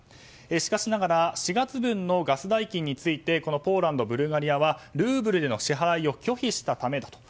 しかしながら４月分のガス代金についてこのポーランド、ブルガリアはルーブルでの支払いを拒否したためと。